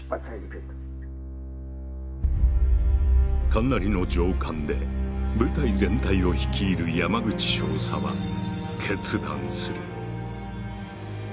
神成の上官で部隊全体を率いる山口少佐は決断する。